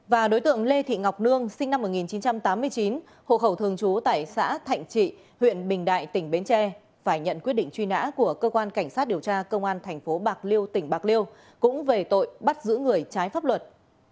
và đối tượng lê thị ngọc nương sinh năm một nghìn chín trăm tám mươi chín hộ khẩu thường trú tại xã thạnh trị huyện bình đại tỉnh bến tre phải nhận quyết định truy nã của cơ quan cảnh sát điều tra công an tp bạc liêu tỉnh bạc liêu cũng về tội bắt giữ người trái pháp luật